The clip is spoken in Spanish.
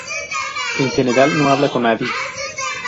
En general no hablaba con nadie.